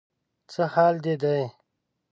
څه حال دې دی؟